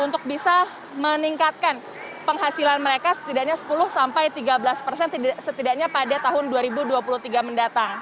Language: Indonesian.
untuk bisa meningkatkan penghasilan mereka setidaknya sepuluh sampai tiga belas persen setidaknya pada tahun dua ribu dua puluh tiga mendatang